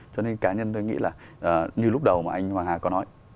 cho nên cá nhân tôi nghĩ là như lúc đầu mà anh hoàng hà có nói